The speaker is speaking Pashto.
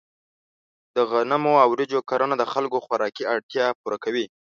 د غنمو او وریجو کرنه د خلکو خوراکي اړتیا پوره کوي.